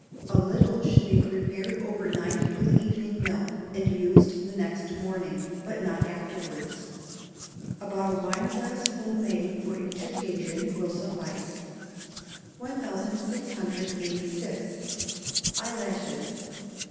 A little should be prepared over night with evening milk, and used the next morning, but not afterwards. About a wine glassful made for each occasion will suffice. 1686. Eyelashes.